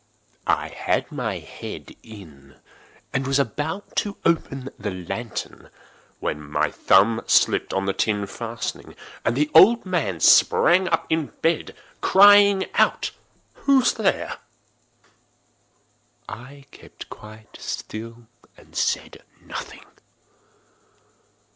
I had my head in, and was about to open the lantern, when my thumb slipped upon the tin fastening, and the old man sprang up in bed, crying out—"Who's there?" I kept quite still and said nothing.